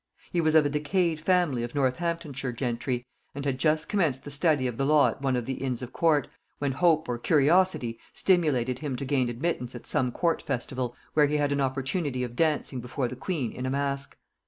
He was of a decayed family of Northamptonshire gentry, and had just commenced the study of the law at one of the inns of court, when hope or curiosity stimulated him to gain admittance at some court festival, where he had an opportunity of dancing before the queen in a mask.